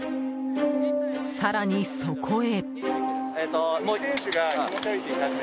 更に、そこへ。